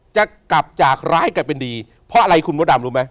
จะกลับจากร้ายกลับเป็นดีเพราะอะไรคุณมดดำรู้ไหม